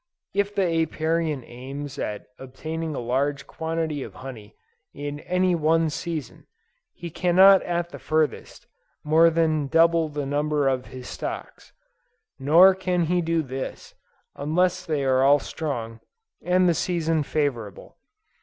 If the Apiarian aims at obtaining a large quantity of honey in any one season, he cannot at the furthest, more than double the number of his stocks: nor can he do this, unless they are all strong, and the season favorable.